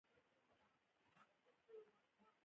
دا هیواد د دوو مسلمانانو ترمنځ یو برید دی